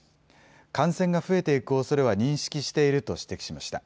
感染が増えていくおそれは認識していると指摘しました。